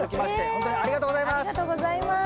ほんとにありがとうございます！